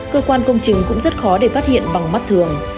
cơ quan công chứng cũng rất khó để phát hiện bằng mắt thường